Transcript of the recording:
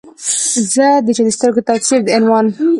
زه د چا د سترګو د تفسیر عنوان